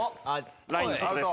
ラインの外です。